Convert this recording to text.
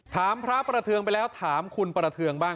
ถามพระประเทืองไปแล้วถามคุณประเทืองบ้าง